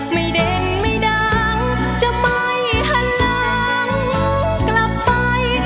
ไม่เด่นไม่ดังจะไปหลังกลับไป